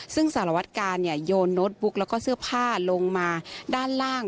ซึ่งสารวัตกาลโยนโน้ตบุ๊กแล้วก็เสื้อผ้าลงมาด้านล่าง